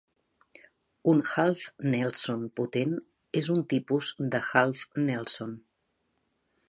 Un half nelson potent és un tipus de half nelson.